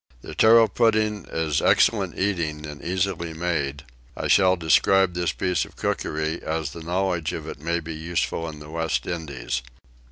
The tarro pudding is excellent eating and easily made: I shall describe this piece of cookery as the knowledge of it may be useful in the West Indies.